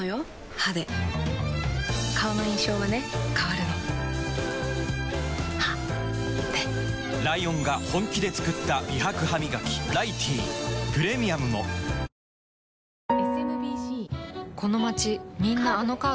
歯で顔の印象はね変わるの歯でライオンが本気で作った美白ハミガキ「ライティー」プレミアムも小坂ちゃん来ちゃった